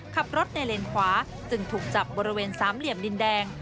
ขับรถในเลนขวาจึงถูกจับบริเวณสามเหลี่ยมดินแดง